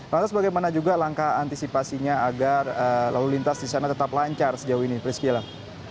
lantas bagaimana juga langkah antisipasinya agar lalu lintas di sana tetap lancar sejauh ini priscila